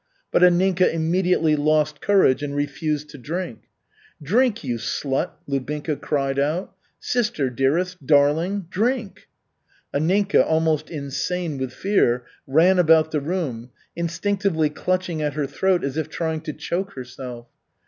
But Anninka immediately lost courage and refused to drink. "Drink, you slut," Lubinka cried out. "Sister, dearest, darling, drink!" Anninka, almost insane with fear, ran about the room, instinctively clutching at her throat as if trying to choke herself.